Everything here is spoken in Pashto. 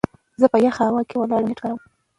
زه په يخه هوا کې ولاړ يم او نيټ کاروم.